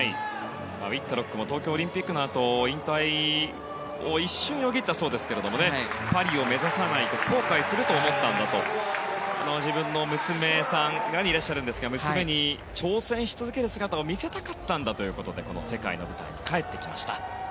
ウィットロックも東京オリンピックンのあと引退が一瞬よぎったそうですけれどもパリを目指さないと後悔すると思ったんだと娘さんがいらっしゃるんですが娘に、挑戦し続ける姿を見せたかったんだということでこの世界の舞台に帰ってきました。